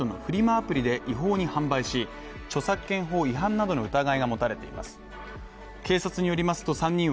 アプリで違法に販売し、著作権法違反などの疑いが持たれています